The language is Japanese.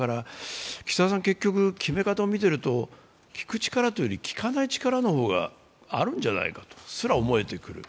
岸田さん、決め方を見てると聞く力というより聞かない力の方があるんじゃないかとも思えてくる。